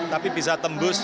tapi bisa tempatkan